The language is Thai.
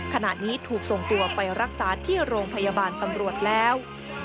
ขณะนี้ถูกส่งตัวไปรักษาที่โรงพยาบาลตำรวจแล้ว